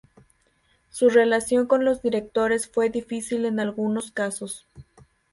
Su relación con los directores fue difícil en algunos casos.